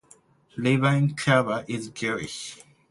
Levine Cava is Jewish.